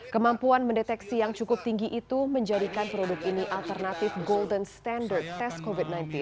kemampuan mendeteksi yang cukup tinggi itu menjadikan produk ini alternatif golden standard test covid sembilan belas